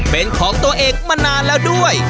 เป็นของตัวเองมานานแล้วด้วย